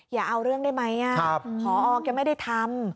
อย่าเอาเรื่องได้ไหมพอแกไม่ได้ทำ